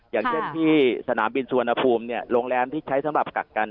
อย่างเช่นที่สนามบินสุวรรณภูมิโรงแรมที่ใช้สำหรับกักกัน